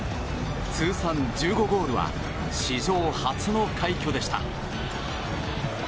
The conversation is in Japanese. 通算１５ゴールは史上初の快挙でした。